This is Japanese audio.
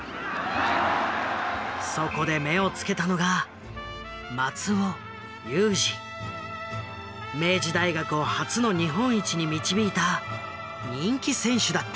そこで目を付けたのが明治大学を初の日本一に導いた人気選手だった。